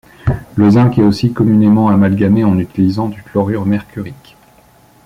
Le zinc est aussi communément amalgamé en utilisant du chlorure mercurique.